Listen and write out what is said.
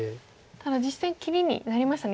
ただ実戦切りになりましたね。